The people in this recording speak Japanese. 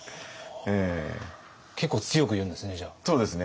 結構強く言うんですね？